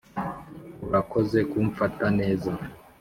urakoze kumfata neza